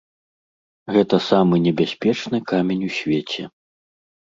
Гэта самы небяспечны камень у свеце.